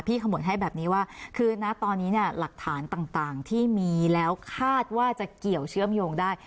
ขมุนให้แบบนี้ว่าคือนะตอนนี้เนี่ยหลักฐานต่างที่มีแล้วคาดว่าจะเกี่ยวเชื่อมโยงได้